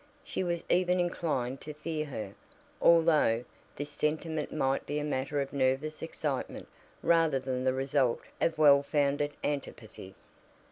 She was even inclined to fear her, although this sentiment might be a matter of nervous excitement rather than the result of well founded antipathy.